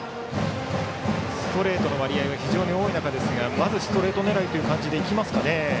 ストレートの割合が非常に多い中ですがまずストレート狙いという感じでいきますかね。